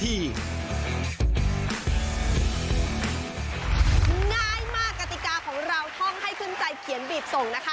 ท่องให้ขึ้นใจเขียนบีบส่งนะคะ